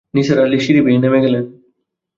নিসার আলি সিড়ি বেয়ে নেমে গেলেন।